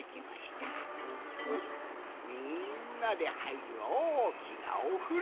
みんなではいるおおきなおふろ。